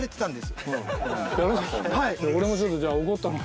はい